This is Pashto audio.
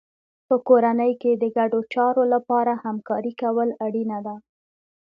په کورنۍ کې د ګډو چارو لپاره همکاري کول اړینه ده.